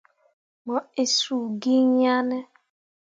Mo inni suu gi iŋ yah ne.